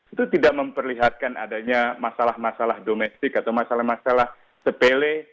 itu tidak memperlihatkan adanya masalah masalah domestik atau masalah masalah sepele